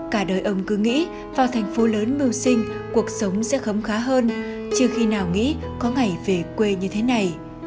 cả đời ông cứ nghĩ vào thành phố lớn mưu sinh cuộc sống sẽ khấm khá hơn chưa khi nào nghĩ có ngày về quê như thế này